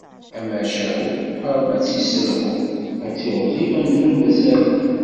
Amacahu, Rebbi ad tt-yesselhu, ad tiɣzif amzun d asaru.